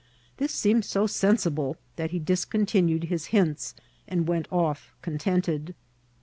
This seemed so sensible that he discontinued his hints and went off contented.